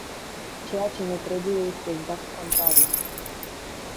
Ceea ce ne trebuie este exact contrariul.